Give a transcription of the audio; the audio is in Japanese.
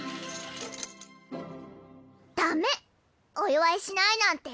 だめお祝いしないなんて！